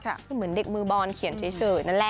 คือเหมือนเด็กมือบอลเขียนเฉยนั่นแหละ